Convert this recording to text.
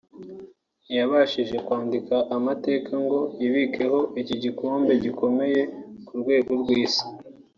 ntiyabashije kwandika amateka ngo yibikeho iki gikombe gikomeye ku rwego rw’isi